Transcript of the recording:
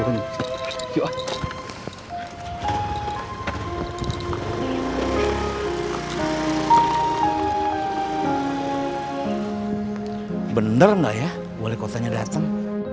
bener nggak ya wali kotanya datang